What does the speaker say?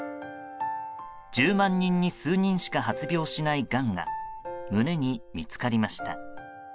１０万人に数人しか発病しないがんが胸に見つかりました。